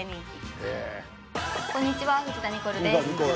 こんにちは藤田ニコルです。